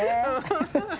ハハハハ！